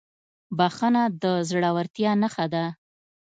بښنه د زړهورتیا نښه ده.